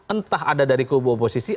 entah ada dari kubu oposisi